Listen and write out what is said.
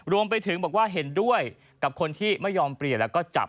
รวมไปถึงบอกว่าเห็นด้วยกับคนที่ไม่ยอมเปลี่ยนแล้วก็จับ